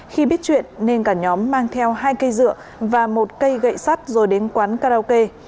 khi biết chuyện nên cả nhóm mang theo hai cây dựa và một cây gậy sắt rồi đến quán karaoke